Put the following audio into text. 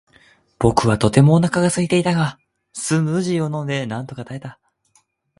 僕はとてもお腹がすいていたが、スムージーを飲んでなんとか耐えた。